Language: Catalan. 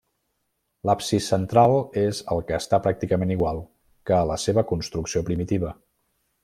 L'absis central és el que està pràcticament igual que a la seva construcció primitiva.